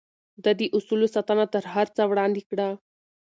ده د اصولو ساتنه تر هر څه وړاندې کړه.